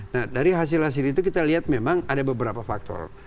nah dari hasil hasil itu kita lihat memang ada beberapa faktor